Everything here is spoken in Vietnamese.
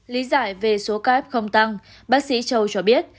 lý giải về số cap không tăng bác sĩ châu cho biết